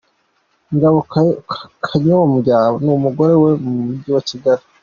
Ngabo Kanyombya n'umugore we mu mujyi wa Kigali.